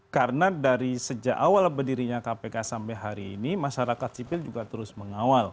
karena dari sejak awal berdirinya kpk sampai hari ini masyarakat sipil juga terus mengawal